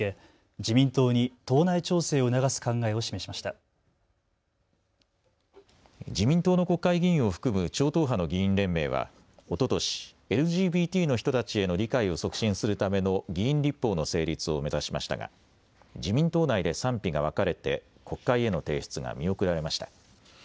自民党の国会議員を含む超党派の議員連盟はおととしＬＧＢＴの人たちへの理解を促進するための議員立法の成立を目指しましたが自民党内で賛否が分かれて国会への提出が見送られました。